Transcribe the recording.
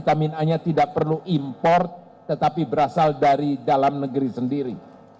stamina nya tidak perlu import tetapi berasal dari dalam negeri sendiri